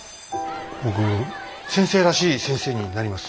僕先生らしい先生になります。